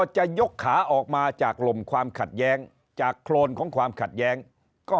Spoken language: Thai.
จะยกขาออกมาจากลมความขัดแย้งจากโครนของความขัดแย้งก็